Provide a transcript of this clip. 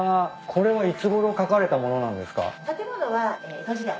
これはいつごろ描かれた物なんですか？